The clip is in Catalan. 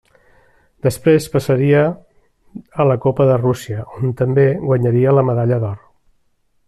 Després passaria a la Copa de Rússia, on també guanyaria la medalla d'or.